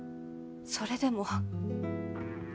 それでも。